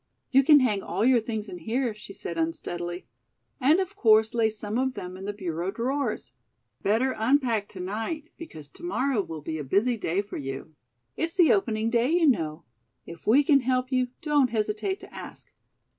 "You can hang all your things in here," she said unsteadily, "and of course lay some of them in the bureau drawers. Better unpack to night, because to morrow will be a busy day for you. It's the opening day, you know. If we can help you, don't hesitate to ask."